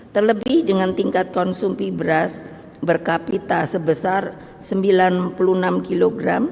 terlebih dengan tingkat konsumsi beras berkapita sebesar sembilan puluh enam kg